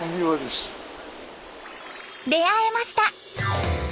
出会えました！